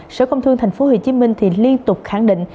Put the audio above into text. sở công thương tp hcm liên tục khẳng định